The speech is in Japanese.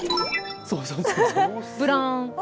ブラン。